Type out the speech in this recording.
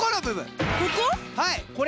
はい！